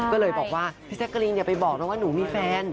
ก็เลยบอกว่าพี่แจ๊กกะรีนอย่าไปบอกนะว่าหนูมีแฟน